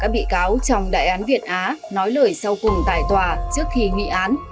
các bị cáo trong đại án việt á nói lời sau cùng tại tòa trước khi nghị án